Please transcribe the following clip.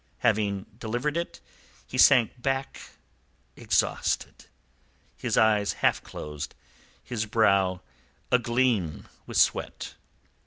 Having delivered it, he sank back exhausted, his eyes half closed, his brow agleam with sweat.